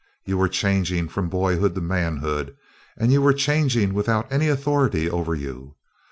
You were changing from boyhood into manhood, and you were changing without any authority over you.